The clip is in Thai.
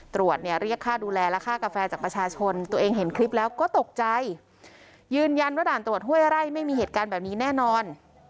ตรวจเนี่ยเรียกค่าดูแลและค่ากาแฟจากประชาชนตัวเองเห็นคลิปแล้วก็ตกใจยืนยันว่าด่านตรวจห้วยไร่ไม่มีเหตุการณ์แบบนี้แน่นอน